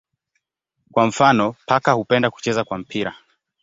Kwa mfano paka hupenda kucheza kwa mpira.